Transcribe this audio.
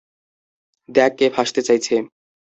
দেখ কে ফাঁসতে চাইছে।